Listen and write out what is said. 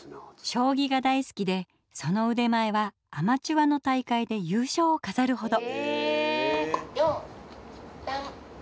将棋が大好きでそのうでまえはアマチュアの大会で優勝をかざるほど。